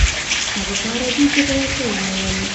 هغه په عربي ژبه یو څه وویل.